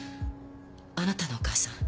「あなたのお母さん